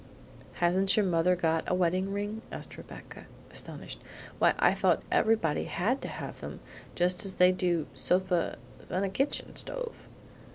"Hasn't your mother got a wedding ring?" asked Rebecca, astonished. "Why, I thought everybody HAD to have them, just as they do sofas and a kitchen stove!"